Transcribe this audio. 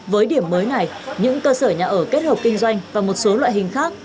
với điểm mới này những cơ sở nhà ở kết hợp kinh doanh và một số loại hình khác